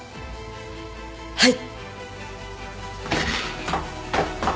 はい。